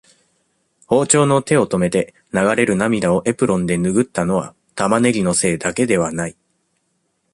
包丁の手を止めて、流れる涙をエプロンでぬぐったのは、タマネギのせいだけではない。